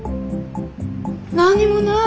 何にもない！